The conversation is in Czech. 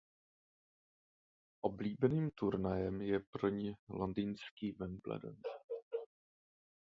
Oblíbeným turnajem je pro ni londýnský Wimbledon.